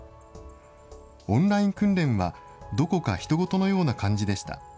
オンライン訓練は、どこかひと事のような感じでした。